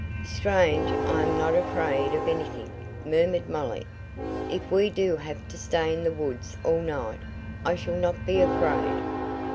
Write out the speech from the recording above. "Strange I am not afraid of anything," murmured Molly. "If we do have to stay in the woods all night, I shall not be afraid."